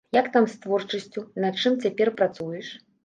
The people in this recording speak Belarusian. Як там з творчасцю, над чым цяпер працуеш?